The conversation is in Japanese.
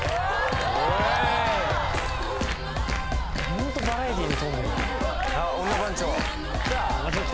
・ホントバラエティーに富んでる